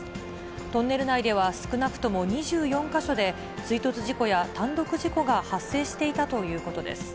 トンネル内では少なくとも２４か所で追突事故や単独事故が発生していたということです。